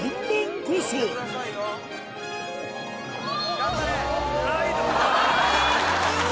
頑張れ！